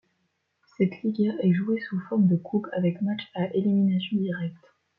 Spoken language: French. Cette Liguilla est jouée sous forme de coupe, avec match à élimination directe.